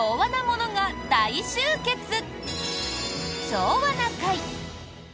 「昭和な会」。